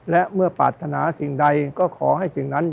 และเมื่อปรารถนาสิ่งใดก็ขอให้สิ่งนั้น